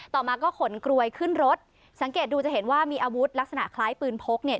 ต่อมาก็ขนกลวยขึ้นรถสังเกตดูจะเห็นว่ามีอาวุธลักษณะคล้ายปืนพกเนี่ย